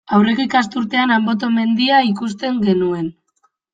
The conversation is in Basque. Aurreko ikasturtean Anboto mendia ikusten genuen.